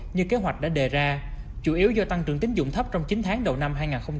như kế hoạch đã đề ra chủ yếu do tăng trưởng tín dụng thấp trong chín tháng đầu năm hai nghìn hai mươi